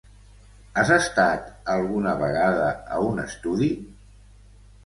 Has estat alguna vegada a un estudi?